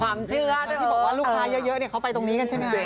ความเชื่อเรื่องที่บอกว่าลูกค้าเยอะเขาไปตรงนี้กันใช่ไหมคะ